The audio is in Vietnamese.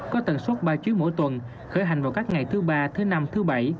có tần suất ba chuyến mỗi tuần khởi hành vào các ngày thứ ba thứ năm thứ bảy